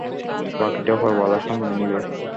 বাকিটা ওপরওয়ালা সামলে নিবে।